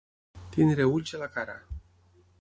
Tenir ulls a la cara.